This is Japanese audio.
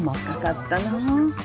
細かかったな。